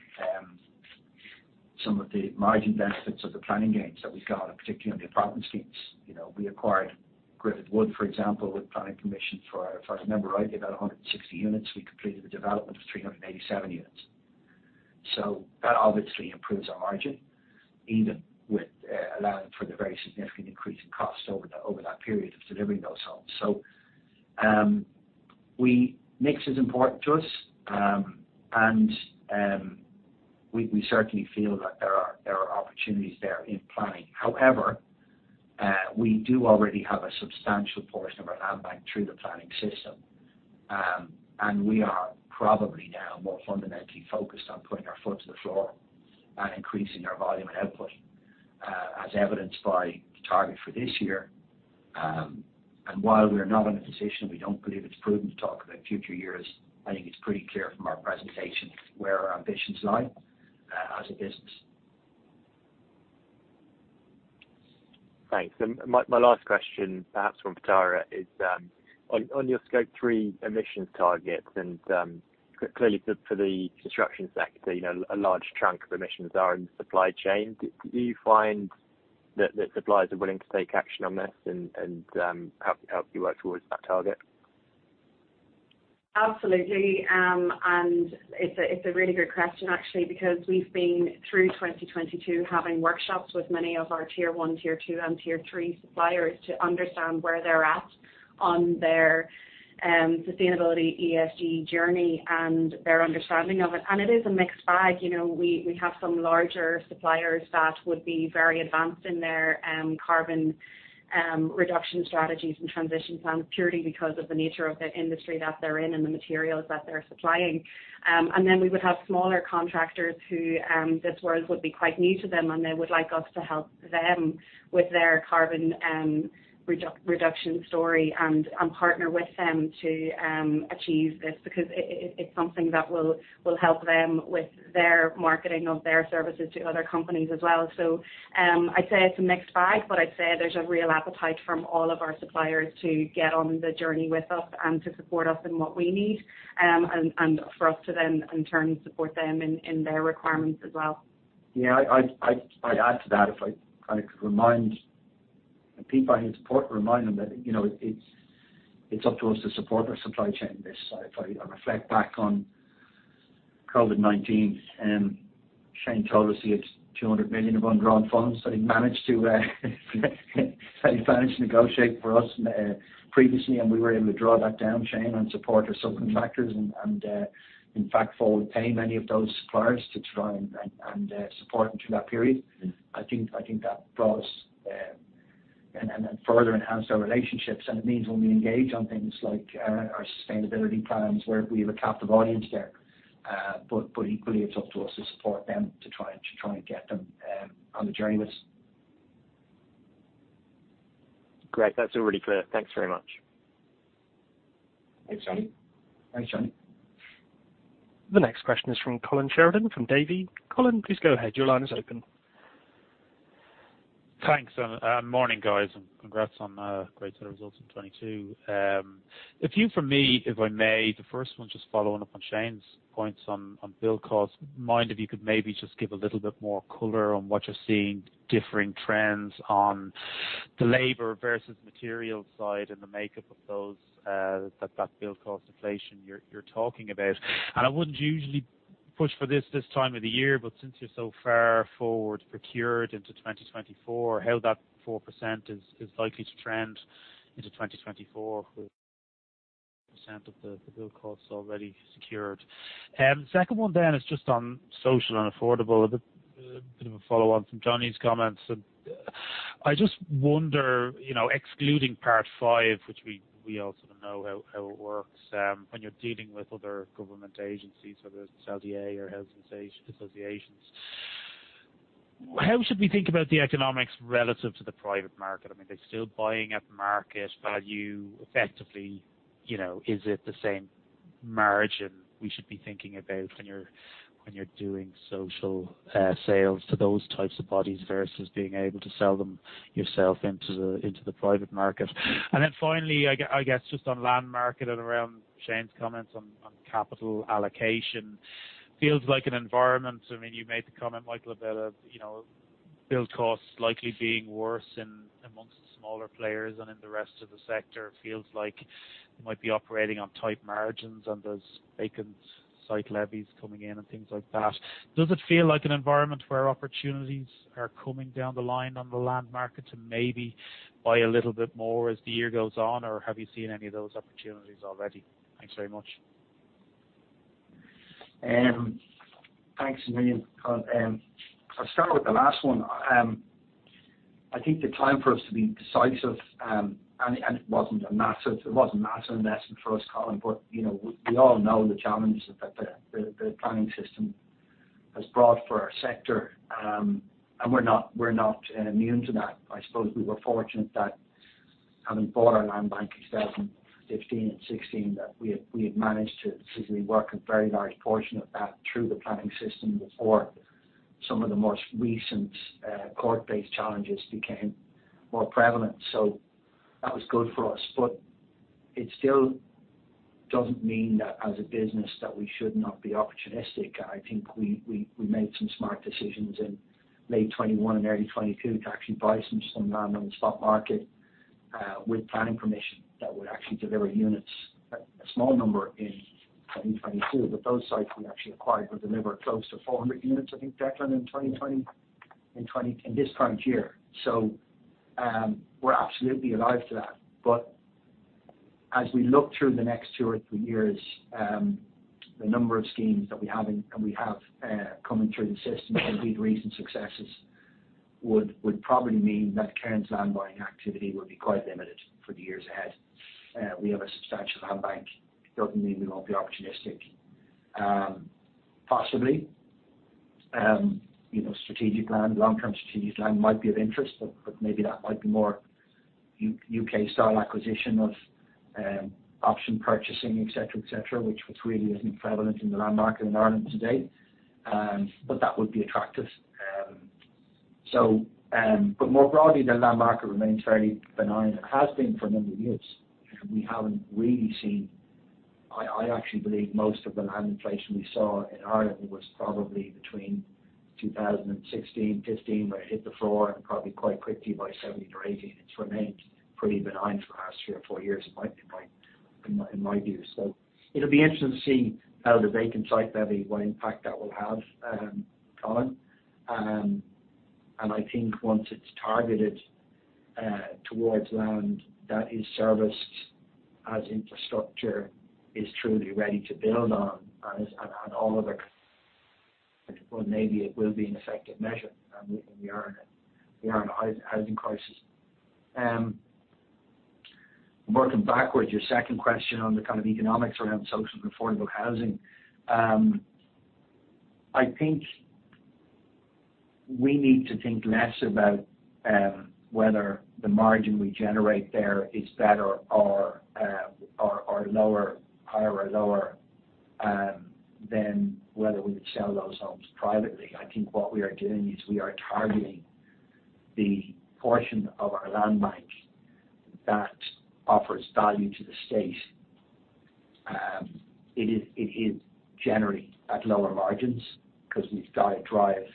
some of the margin benefits of the planning gains that we got, particularly on the apartment schemes. You know, we acquired Griffith Wood, for example, with planning permission for, if I remember right, about 160 units. We completed the development of 387 units. That obviously improves our margin, even with allowing for the very significant increase in cost over that period of delivering those homes. Mix is important to us. We certainly feel that there are opportunities there in planning. However, we do already have a substantial portion of our landbank through the planning system. We are probably now more fundamentally focused on putting our foot to the floor and increasing our volume and output, as evidenced by the target for this year. While we're not in a position, we don't believe it's prudent to talk about future years. I think it's pretty clear from our presentation where our ambitions lie, as a business. Thanks. My last question, perhaps for Tara Grimley, is on your Scope three emissions targets, and clearly for the construction sector, you know, a large chunk of emissions are in the supply chain. Do you find that suppliers are willing to take action on this and help you work towards that target? Absolutely. It's a, it's a really good question actually, because we've been through 2022 having workshops with many of our tier one, tier two, and tier three suppliers to understand where they're at on their sustainability ESG journey and their understanding of it. It is a mixed bag, you know, we have some larger suppliers that would be very advanced in their carbon reduction strategies and transition plans purely because of the nature of the industry that they're in and the materials that they're supplying. Then we would have smaller contractors who this world would be quite new to them, and they would like us to help them with their carbon reduction story and partner with them to achieve this because it's something that will help them with their marketing of their services to other companies as well. I'd say it's a mixed bag, but I'd say there's a real appetite from all of our suppliers to get on the journey with us and to support us in what we need, and for us to then in turn support them in their requirements as well. Yeah, I'd add to that if I could remind the people I support, remind them that, you know, it's up to us to support our supply chain in this. If I reflect back on COVID-19, Shane told us he had 200 million of undrawn funds that he managed to negotiate for us previously, and we were able to draw that down, Shane, and support our subcontractors and, in fact, forward pay many of those suppliers to try and support them through that period. I think that brought us and then further enhanced our relationships. It means when we engage on things like our sustainability plans where we have a captive audience there. Equally, it's up to us to support them, to try and get them, on the journey with us. Great. That's all really clear. Thanks very much. Thanks, Jonny. Thanks, Jonny. The next question is from Colin Sheridan, from Davy. Colin, please go ahead. Your line is open. Thanks, morning, guys, and congrats on a great set of results in 2022. A few from me, if I may. The first one just following up on Shane's points on build costs. Mind if you could maybe just give a little bit more color on what you're seeing differing trends on the labor versus material side and the makeup of those, that build cost inflation you're talking about. I wouldn't usually push for this this time of the year, but since you're so far forward procured into 2024, how that 4% is likely to trend into 2024 with % of the build costs already secured. Second one is just on social and affordable. A bit of a follow on from Jonny's comments. I just wonder, you know, excluding Part V, which we all sort of know how it works, when you're dealing with other government agencies, whether it's LDA or housing associations. How should we think about the economics relative to the private market? I mean, they're still buying at market value effectively, you know, is it the same margin we should be thinking about when you're doing social sales to those types of bodies versus being able to sell them yourself into the private market? Finally, I guess just on land market and around Shane's comments on capital allocation. Feels like an environment, I mean, you made the comment, Michael, about, you know, build costs likely being worse in amongst the smaller players than in the rest of the sector. Feels like you might be operating on tight margins and there's vacant site levies coming in and things like that. Does it feel like an environment where opportunities are coming down the line on the land market to maybe buy a little bit more as the year goes on, or have you seen any of those opportunities already? Thanks very much. Thanks a million, Colin. I'll start with the last one. I think the time for us to be decisive, and it wasn't a massive investment for us, Colin, but, you know, we all know the challenges that the planning system has brought for our sector. We're not immune to that. I suppose we were fortunate that having bought our land bank in 2017, 2015 and 2016, that we had managed to successfully work a very large portion of that through the planning system before some of the most recent, court-based challenges became more prevalent. That was good for us. It still doesn't mean that as a business, that we should not be opportunistic. I think we made some smart decisions in late 2021 and early 2022 to actually buy some land on the stock market with planning permission that would actually deliver units, a small number in 2022. Those sites we actually acquired will deliver close to 400 units, I think, Declan, in this current year. We're absolutely alive to that. As we look through the next two or three years, the number of schemes that we have and we have coming through the system, including recent successes, would probably mean that Cairn's land buying activity will be quite limited for the years ahead. We have a substantial land bank. It doesn't mean we won't be opportunistic. Possibly, you know, strategic land, long-term strategic land might be of interest, but maybe that might be more U.K. style acquisition of option purchasing, etcetera, which really isn't prevalent in the land market in Ireland today. That would be attractive. More broadly, the land market remains fairly benign. It has been for a number of years, and we haven't really seen. I actually believe most of the land inflation we saw in Ireland was probably between 2016, 15, where it hit the floor and probably quite quickly by 17 or 18. It's remained pretty benign for the past three or four years in my view. It'll be interesting to see how the vacant site levy, what impact that will have, Colin. I think once it's targeted towards land that is serviced as infrastructure is truly ready to build on and all of it, well, maybe it will be an effective measure. We are in a housing crisis. Working backwards, your second question on the kind of economics around social and affordable housing. I think we need to think less about whether the margin we generate there is better or lower, higher or lower, than whether we would sell those homes privately. I think what we are doing is we are targeting the portion of our land bank that offers value to the State. It is generally at lower margins 'cause we've got to drive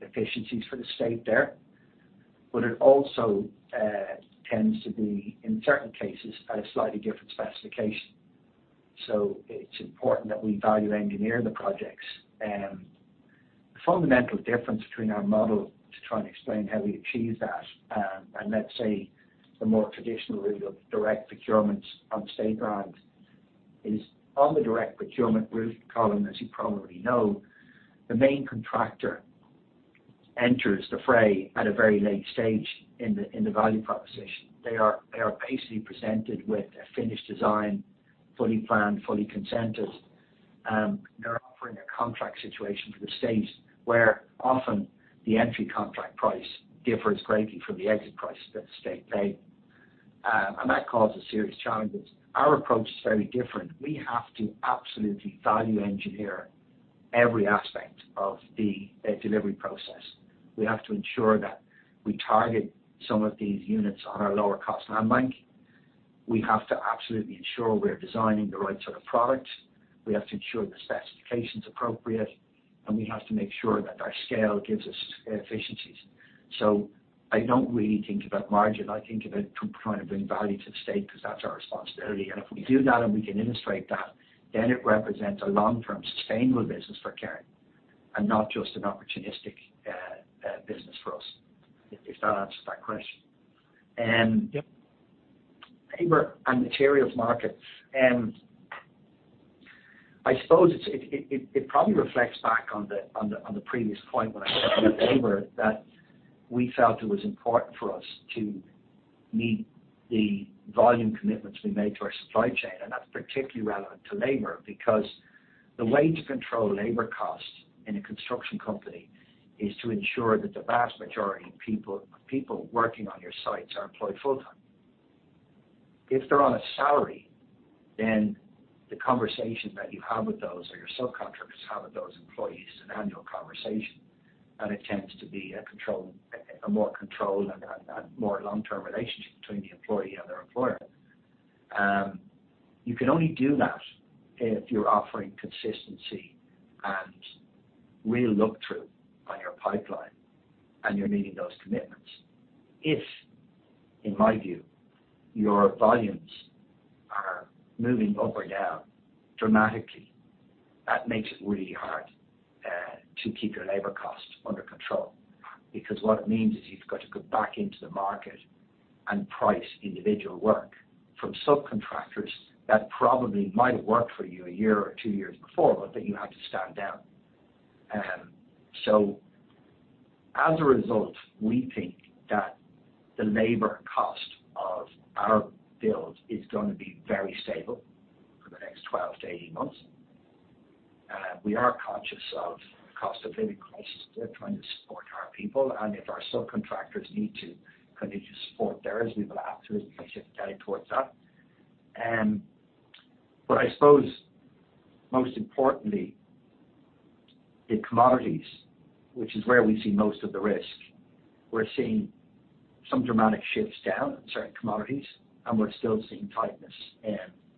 efficiencies for the State there. It also tends to be, in certain cases, at a slightly different specification. It's important that we value engineer the projects. The fundamental difference between our model, to try and explain how we achieve that, and let's say the more traditional route of direct procurements on state grant is on the direct procurement route, Colin, as you probably know, the main contractor enters the fray at a very late stage in the value proposition. They are basically presented with a finished design, fully planned, fully consented. They're offering a contract situation for the state where often the entry contract price differs greatly from the exit price that the state paid. That causes serious challenges. Our approach is very different. We have to absolutely value engineer every aspect of the delivery process. We have to ensure that we target some of these units on our lower cost land bank. We have to absolutely ensure we're designing the right sort of products. We have to ensure the specification's appropriate, and we have to make sure that our scale gives us efficiencies. I don't really think about margin. I think about to trying to bring value to the state because that's our responsibility. If we do that, and we can illustrate that, then it represents a long-term sustainable business for Cairn and not just an opportunistic business for us, if that answers that question. Yep. Labor and materials markets. I suppose it's probably reflects back on the previous point when I said with labor that we felt it was important for us to meet the volume commitments we made to our supply chain. That's particularly relevant to labor because the way to control labor costs in a construction company is to ensure that the vast majority of people working on your sites are employed full-time. If they're on a salary, then the conversation that you have with those or your subcontractors have with those employees is an annual conversation, and it tends to be a more controlled and more long-term relationship between the employee and their employer. You can only do that if you're offering consistency and real look-through on your pipeline, and you're meeting those commitments. If, in my view, your volumes are moving up or down dramatically, that makes it really hard to keep your labor costs under control. What it means is you've got to go back into the market and price individual work from subcontractors that probably might have worked for you a year or two years before, but that you had to stand down. As a result, we think that the labor cost of our build is gonna be very stable for the next 12 to 18 months. We are conscious of cost of living crisis. We're trying to support our people, and if our subcontractors need to continue to support theirs, we will have to, and we'll shift guide towards that. I suppose most importantly, in commodities, which is where we see most of the risk, we're seeing some dramatic shifts down in certain commodities, and we're still seeing tightness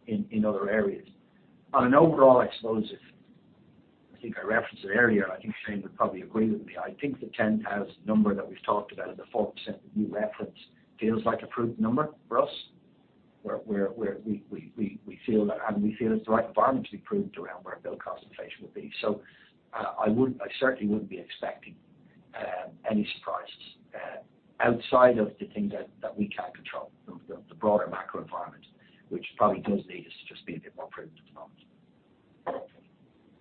in other areas. On an overall expose, I think I referenced it earlier, I think Shane would probably agree with me. I think the 10,000 number that we've talked about is the 4% that you referenced feels like a proved number for us, where we feel that and we feel it's the right environment to be proved around where build cost inflation would be. I certainly wouldn't be expecting any surprises outside of the things that we can control, the broader macro environment, which probably does need us to just be a bit more prudent at the moment.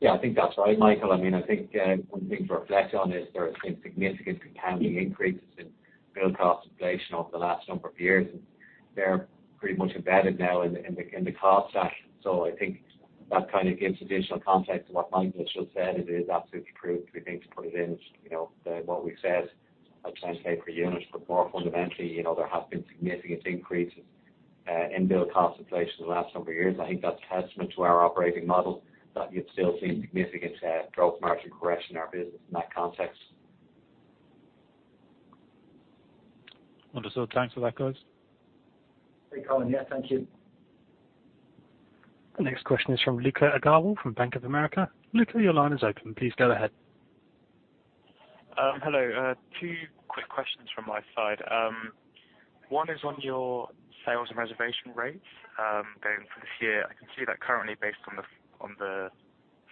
I think that's right, Michael. I mean, I think one thing to reflect on is there have been significant compounding increases in build cost inflation over the last number of years. They're pretty much embedded now in the cost stack. I think that kind of gives additional context to what Michael just said. It is absolutely proved, we think, to put it in, you know, what we've said, like cents paid per unit. More fundamentally, you know, there have been significant increases in build cost inflation in the last number of years. I think that's a testament to our operating model that you've still seen significant gross margin correction in our business in that context. Understood. Thanks for that, guys. Okay, Colin. Yes, thank you. The next question is from Lucia Agarwal from Bank of America. Luca, your line is open. Please go ahead. Hello. Two quick questions from my side. One is on your sales and reservation rates going for this year. I can see that currently based on the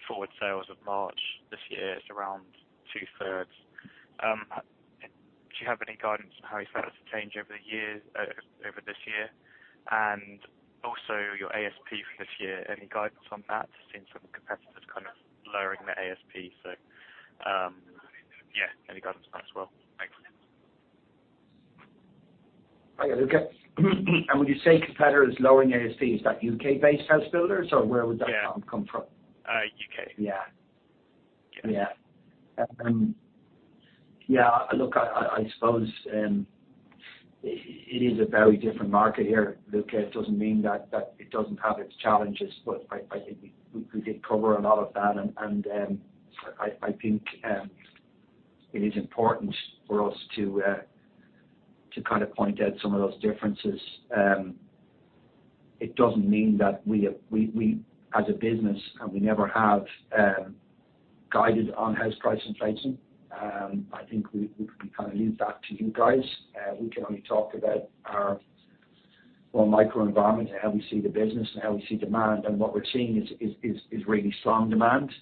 forward sales of March this year is around two-thirds. Do you have any guidance on how you expect that to change over the years over this year? Also your ASP for this year, any guidance on that since some competitors kind of lowering their ASP? Yeah, any guidance on that as well? Thanks. Hiya, Luca. When you say competitors lowering ASP, is that U.K.-based house builders, or where would that come from? Yeah, U.K. Yeah. Yeah. Look, I suppose, it is a very different market here, Luca. It doesn't mean that it doesn't have its challenges, but I think we did cover a lot of that. I think, it is important for us to kind of point out some of those differences. It doesn't mean that we as a business, and we never have, guided on house price inflation. I think we kind of leave that to you guys. We can only talk about our more microenvironment and how we see the business and how we see demand. What we're seeing is really strong demand.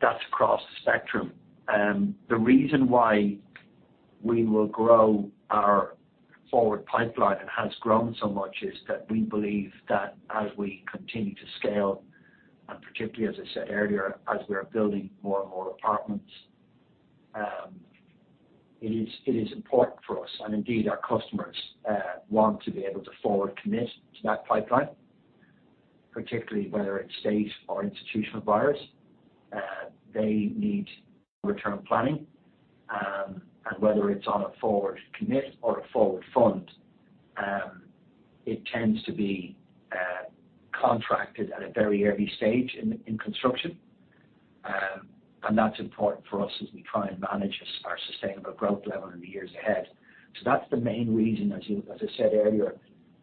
That's across the spectrum. The reason why we will grow our forward pipeline and has grown so much is that we believe that as we continue to scale, and particularly as I said earlier, as we are building more and more apartments. It is important for us, and indeed our customers want to be able to forward commitment to that pipeline, particularly whether it's state or institutional buyers. They need return planning, and whether it's on a forward commitment or a forward funding, it tends to be contracted at a very early stage in construction. That's important for us as we try and manage our sustainable growth level in the years ahead. That's the main reason, as I said earlier,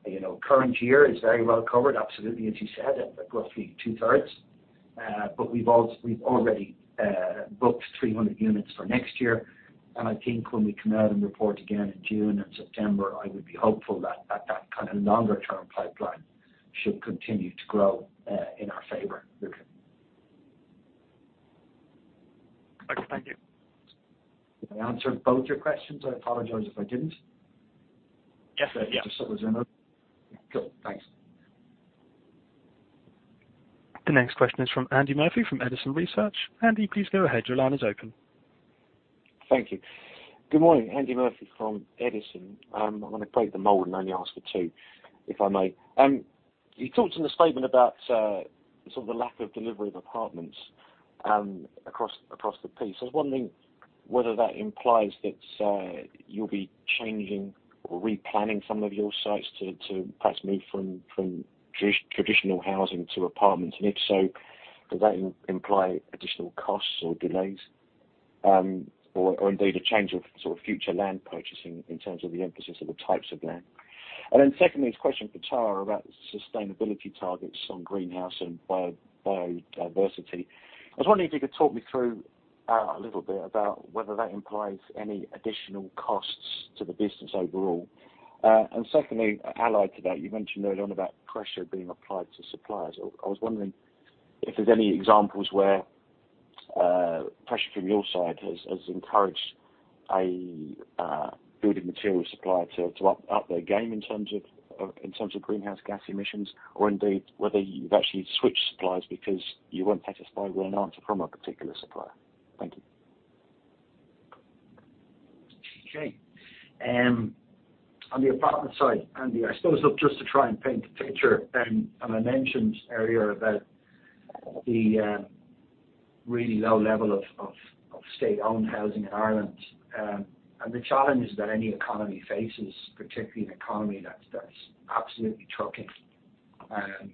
you know, current year is very well covered, absolutely, as you said, at roughly two-thirds. we've already booked 300 units for next year. I think when we come out and report again in June and September, I would be hopeful that kind of longer-term pipeline should continue to grow in our favor, Luke. Okay, thank you. Did I answer both your questions? I apologize if I didn't. Yes, yeah. There just was another. Cool, thanks. The next question is from Andy Murphy from Edison Research. Andy, please go ahead. Your line is open. Thank you. Good morning, Andy Murphy from Edison. I'm gonna break the mold and only ask for two, if I may. You talked in the statement about sort of the lack of delivery of apartments across the piece. I was wondering whether that implies that you'll be changing or replanning some of your sites to perhaps move from traditional housing to apartments? If so, does that imply additional costs or delays, or indeed a change of sort of future land purchasing in terms of the emphasis of the types of land? Secondly, it's a question for Tara about sustainability targets on greenhouse and biodiversity. I was wondering if you could talk me through a little bit about whether that implies any additional costs to the business overall. Secondly, allied to that, you mentioned earlier on about pressure being applied to suppliers. I was wondering if there's any examples where pressure from your side has encouraged a building material supplier to up their game in terms of greenhouse gas emissions, or indeed whether you've actually switched suppliers because you weren't satisfied with an answer from a particular supplier. Thank you. Okay. On the apartment side, Andy, I suppose I'll just try and paint a picture. I mentioned earlier that the really low level of state-owned housing in Ireland, the challenges that any economy faces, particularly an economy that's absolutely trucking and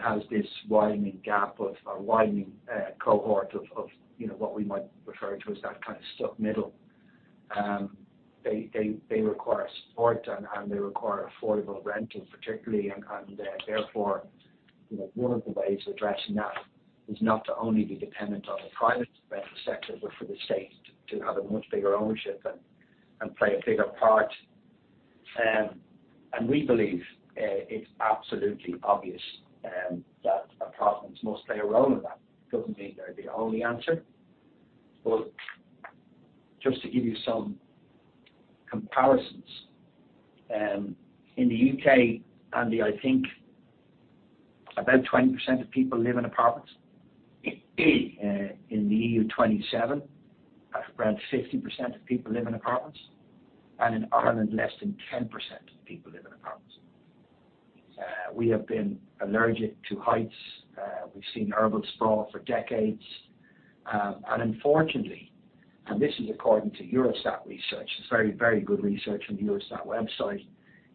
has this widening gap or widening cohort of, you know, what we might refer to as that kind of stuck middle. They require support and they require affordable renting particularly. Therefore, you know, one of the ways of addressing that is not to only be dependent on the private rental sector, but for the state to have a much bigger ownership and play a bigger part. We believe it's absolutely obvious that apartments must play a role in that. Doesn't mean they're the only answer. Just to give you some comparisons, in the UK, Andy, I think about 20% of people live in apartments. In the EU 27, around 50% of people live in apartments, and in Ireland, less than 10% of people live in apartments. We have been allergic to heights. We've seen urban sprawl for decades. Unfortunately, and this is according to Eurostat research, it's very, very good research on the Eurostat website.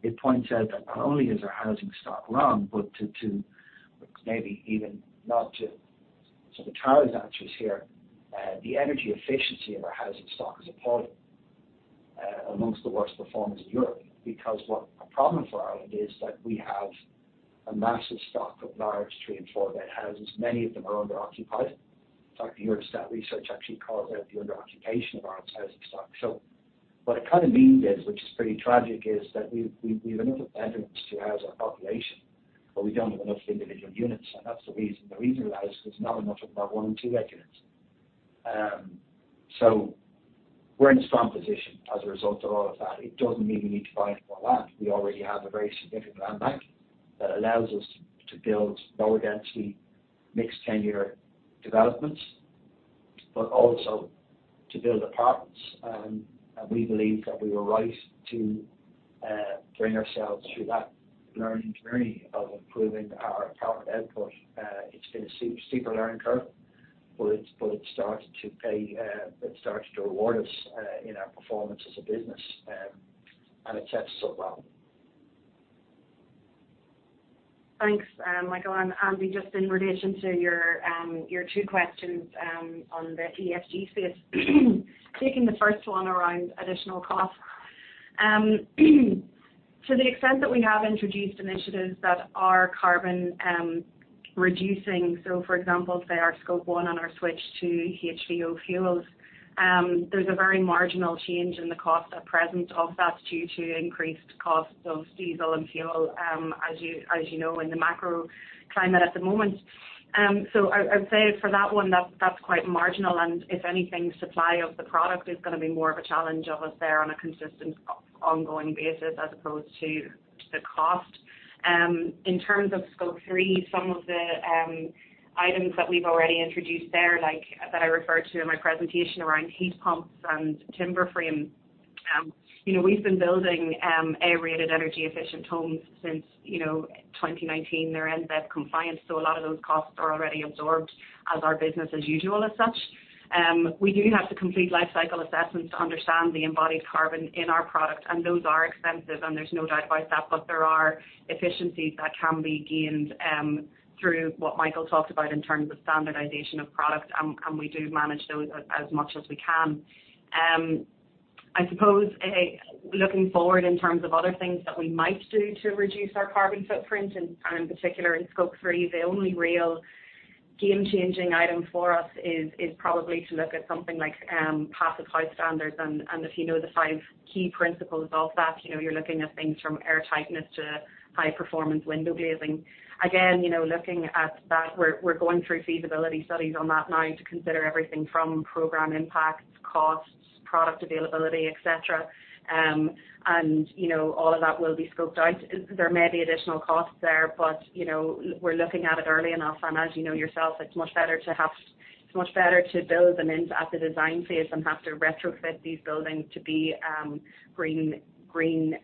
It points out that not only is our housing stock wrong, but to maybe even nod to some of Tara's answers here, the energy efficiency of our housing stock is appalling, amongst the worst performers in Europe. What a problem for Ireland is that we have a massive stock of large three- and four-bed houses. Many of them are under-occupied. In fact, the Eurostat research actually calls out the under-occupation of Ireland's housing stock. What it kind of means is, which is pretty tragic, is that we have enough bedrooms to house our population, but we don't have enough individual units, and that's the reason. The reason for that is there's not enough of our one- and two-bed units. We're in a strong position as a result of all of that. It doesn't mean we need to buy any more land. We already have a very significant land bank that allows us to build lower density, mixed tenure developments, but also to build apartments. We believe that we were right to bring ourselves through that learning journey of improving our apartment output. It's been a steep, steeper learning curve, but it's started to pay, it's started to reward us, in our performance as a business. It sets us up well. Thanks, Michael. Andy, just in relation to your two questions on the ESG space. Taking the first one around additional costs. To the extent that we have introduced initiatives that are carbon reducing, so for example, say our Scope one on our switch to HVO fuels, there's a very marginal change in the cost at present of that due to increased costs of diesel and fuel, as you know, in the macro climate at the moment. I'd say for that one, that's quite marginal. If anything, supply of the product is gonna be more of a challenge of us there on a consistent ongoing basis as opposed to the cost. In terms of Scope three, some of the items that we've already introduced there, like, that I referred to in my presentation around heat pumps and timber frame. You know, we've been building A-rated energy efficient homes since, you know, 2019. They're in that compliance, so a lot of those costs are already absorbed as our business as usual as such. We do have to complete life cycle assessments to understand the embodied carbon in our product, and those are expensive, and there's no doubt about that. There are efficiencies that can be gained through what Michael talked about in terms of standardization of product, and we do manage those as much as we can. I suppose, looking forward in terms of other things that we might do to reduce our carbon footprint and in particular in Scope three, the only real game-changing item for us is probably to look at something like Passivhaus standards. If you know the five key principles of that, you know you're looking at things from airtightness to high-performance window glazing. Again, you know, looking at that, we're going through feasibility studies on that now to consider everything from program impacts, costs, product availability, et cetera. You know, all of that will be scoped out. There may be additional costs there, but, you know, we're looking at it early enough. As you know yourself, it's much better to have... It's much better to build them in at the design phase than have to retrofit these buildings to be green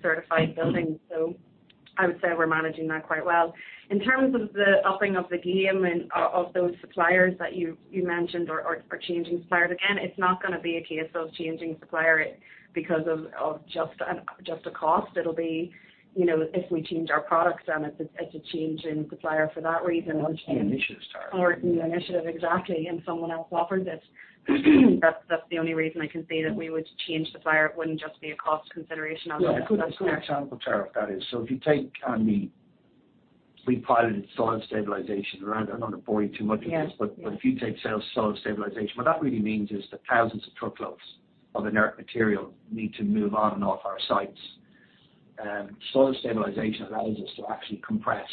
certified buildings. I would say we're managing that quite well. In terms of the upping of the game and of those suppliers that you mentioned or changing suppliers, again, it's not gonna be a case of changing supplier because of just a cost. It'll be, you know, if we change our products, then it's a change in supplier for that reason. Initiative style. New initiative. Exactly. Someone else offered it. That's the only reason I can see that we would change supplier. It wouldn't just be a cost consideration as such. That's fair. Yeah. A good example, Tara, of that is, so if you take, We piloted soil stabilisation around, I don't want to bore you too much with this. Yeah. If you take soil stabilisation, what that really means is that thousands of truckloads of inert material need to move on and off our sites. Soil stabilisation allows us to actually compress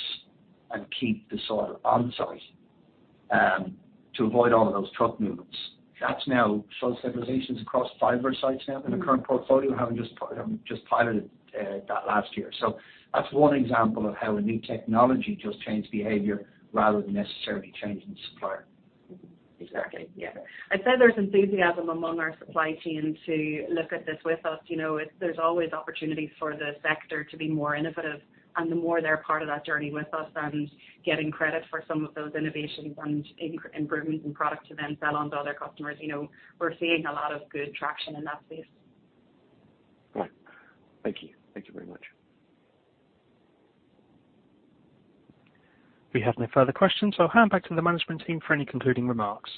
and keep the soil on-site to avoid all of those truck movements. That's now, soil stabilisation is across five of our sites now in the current portfolio, having just piloted that last year. That's one example of how a new technology just changed behavior rather than necessarily changing the supplier. Exactly. Yeah. I'd say there's enthusiasm among our supply team to look at this with us. You know, there's always opportunities for the sector to be more innovative, and the more they're part of that journey with us and getting credit for some of those innovations and improvements in product to then sell on to other customers, you know, we're seeing a lot of good traction in that space. Right. Thank you. Thank you very much. We have no further questions, so I'll hand back to the management team for any concluding remarks.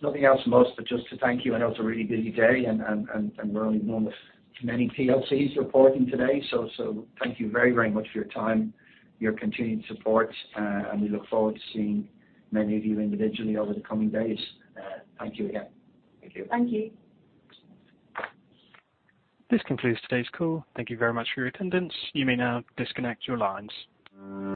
Nothing else from us, but just to thank you. I know it's a really busy day, and we're only one of many PLCs reporting today. Thank you very much for your time, your continued support, and we look forward to seeing many of you individually over the coming days. Thank you again. Thank you. This concludes today's call. Thank you very much for your attendance. You may now disconnect your lines.